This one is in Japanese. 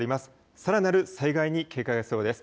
さらなる災害に警戒が必要です。